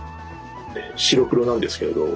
白黒なんですけど。